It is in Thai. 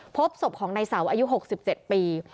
พบศพของนายเสาอายุ๖๗ปี